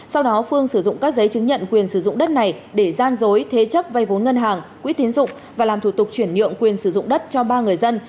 sau đó phương sử dụng các giấy chứng nhận quyền sử dụng đất này để gian dối thế chấp vay vốn ngân hàng quỹ tiến dụng và làm thủ tục chuyển nhượng quyền sử dụng đất cho ba người dân